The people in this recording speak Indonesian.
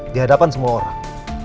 di hadapan semua orang